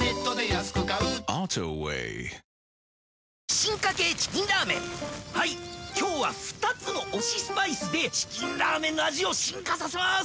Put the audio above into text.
磴靴掘帖はいっ今日は二つの推しスパイスで『チキンラーメン』の味を進化させます